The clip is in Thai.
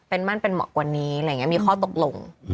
เป็นมั่นเป็นเหมาะกว่านี้มีข้อตกลง